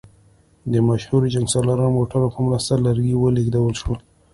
د مشهور جنګسالار موټرو په مرسته لرګي ولېږدول شول.